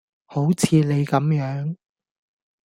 好似你咁樣